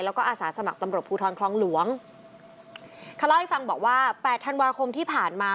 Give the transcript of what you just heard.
แล้วก็อาสาสมัครตำรวจภูทรคลองหลวงเขาเล่าให้ฟังบอกว่าแปดธันวาคมที่ผ่านมา